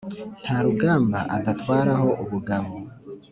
nta rugamba adatwaraho ubugabo,